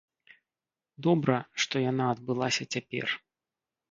Добра, што яна адбылася цяпер.